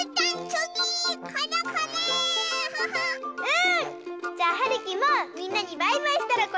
うん！